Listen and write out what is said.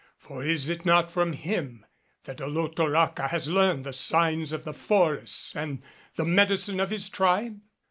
For is it not from him that Olotoraca has learned the signs of the forests and the medicine of his tribe?